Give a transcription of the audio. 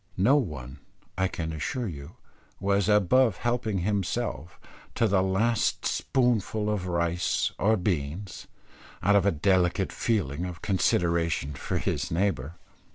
No one, I can assure you, was above helping himself, to the last spoonful of rice or beans, out of a delicate feeling of consideration for his neighbour.